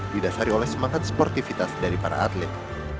didasari oleh semangat sportivitas dari para atlet